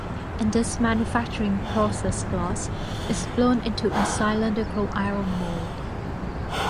In this manufacturing process glass is blown into a cylindrical iron mould.